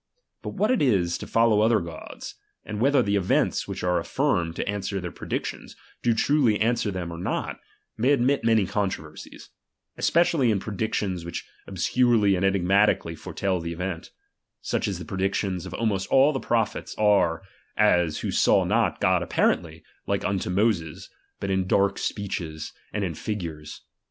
But Tshat it is, to follow other gods, and whether the events which are affirmed to answer their predic tions, do truly answer them or not, may admit many controversies ; especially in predictions which obscurely and enigmatically foretel the event ; such as the predictions of almost all the prophets are ; as who saw not God apparently, like unto Moses, but in dark speeches, and in figures.